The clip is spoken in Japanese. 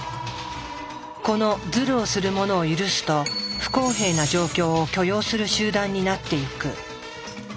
このズルをする者を許すと不公平な状況を許容する集団になっていく。